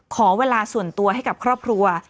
ขอเวลาส่วนตัวให้กับครอบครัว